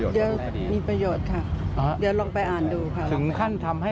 เดี๋ยวมีประโยชน์ค่ะเดี๋ยวลองไปอ่านดูค่ะถึงขั้นทำให้